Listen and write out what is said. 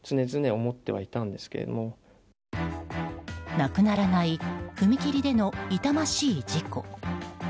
なくならない踏切での痛ましい事故。